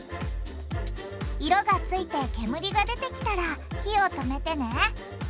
色がついて煙が出てきたら火を止めてね。